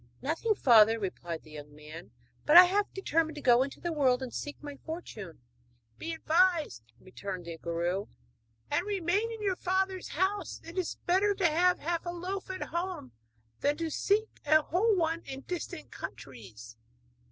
'Nothing, father,' replied the young man, 'but I have determined to go into the world and seek my fortune.' 'Be advised,' returned the guru, 'and remain in your father's house; it is better to have half a loaf at home than to seek a whole one in distant countries.'